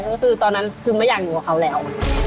ก็คือตอนนั้นคือไม่อยากอยู่กับเขาแล้ว